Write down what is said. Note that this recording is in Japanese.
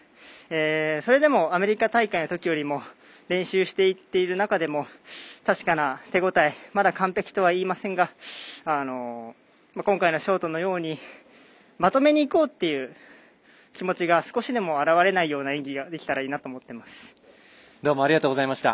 それでもアメリカ大会のときよりも練習している中でも確かな手応えまだ完璧とは言いませんが今回のショートのようにまとめにいこうっていう気持ちが少しでも現れないような演技がどうもありがとうございました。